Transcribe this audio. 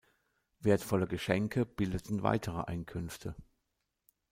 Wertvolle Geschenke bildeten weitere Einkünfte.